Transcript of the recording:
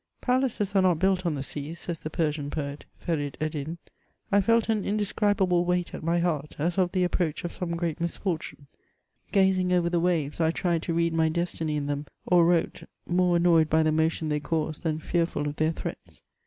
^* Palaces are not built on the sea,'' says the Persian poet Feryd F.ddin, I felt an indescri bable weight at my heart, as of the approach of some great mis fortune. Gazing over the waves I tried to read my destiny in them, or wrote, more annoyed by the motion they caused than fearful of their threats.